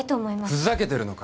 ふざけてるのか。